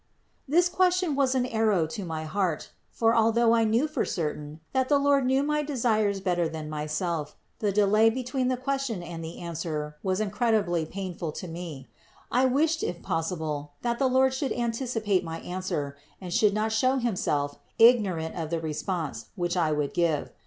This question was an arrow to my heart : for although I knew for certain, that the Lord knew my desires better than I myself, the delay between the ques: tion and the answer was incredibly painful to me; I wished, if possible, that the Lord should anticipate my answer and should not show Himself ignorant of the response, which I would give.